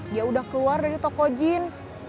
dia udah keluar dari toko jeans